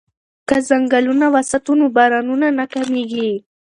که ځنګلونه وساتو نو بارانونه نه کمیږي.